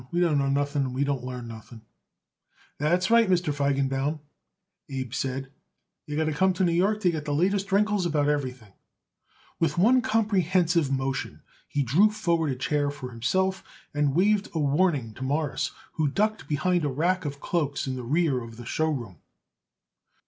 We don't know nothing and we don't learn nothing." "That's right, Mr. Feigenbaum," Abe said. "You got to come to New York to get the latest wrinkles about everything." With one comprehensive motion he drew forward a chair for himself and waved a warning to Morris, who ducked behind a rack of cloaks in the rear of the show room.